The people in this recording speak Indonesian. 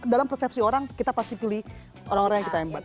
dalam persepsi orang kita pasti pilih orang orang yang kita hebat